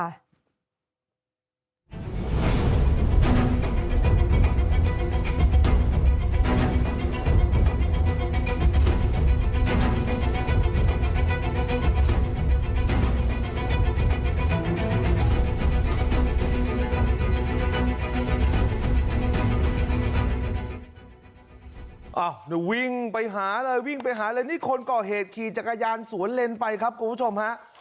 อ้าวนี่วิ่งไปหาเลยวิ่งไปหาเลยนี่คนก่อเหตุขี่จักรยานสวนเลนไปครับคุณผู้ชมฮะ